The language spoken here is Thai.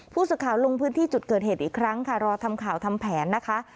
ผู้สื่อข่าวลงพื้นที่จุดเกิดเหตุอีกครั้งค่ะรอทำข่าวทำแผนนะคะ